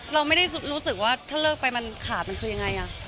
เราไม่ได้รู้สึกว่าถ้าเลิกไปมันขาดมันคือยังไง